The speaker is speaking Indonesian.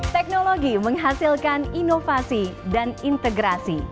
teknologi menghasilkan inovasi dan integrasi